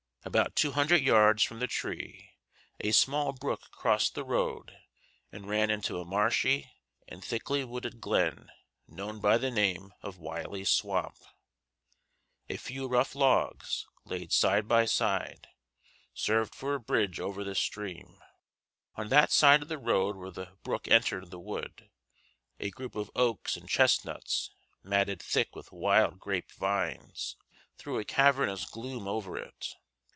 About two hundred yards from the tree a small brook crossed the road and ran into a marshy and thickly wooded glen known by the name of Wiley's Swamp. A few rough logs, laid side by side, served for a bridge over this stream. On that side of the road where the brook entered the wood a group of oaks and chestnuts, matted thick with wild grape vines, threw a cavernous gloom over it.